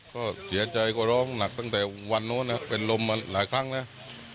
ก็เสียใจก็ร้องหนักตั้งแต่วันโน้นเป็นลมมาหลายครั้งแล้ว